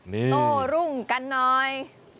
โตรุ่งกันน้อย